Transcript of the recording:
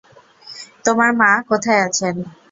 তোমার মা কোথায় আছেন?